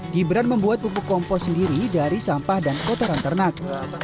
gibran membuat pupuk kompos sendiri dari sampah dan kotoran ternak